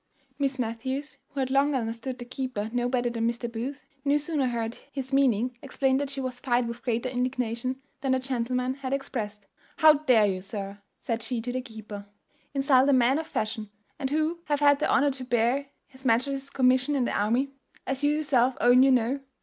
Miss Matthews, who had long understood the keeper no better than Mr. Booth, no sooner heard his meaning explained than she was fired with greater indignation than the gentleman had expressed. "How dare you, sir," said she to the keeper, "insult a man of fashion, and who hath had the honour to bear his majesty's commission in the army? as you yourself own you know.